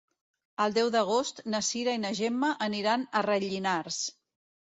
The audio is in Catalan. El deu d'agost na Cira i na Gemma aniran a Rellinars.